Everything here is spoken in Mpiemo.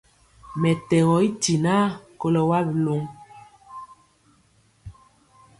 Mɛtɛgɔ i tinaa kolɔ wa biluŋ.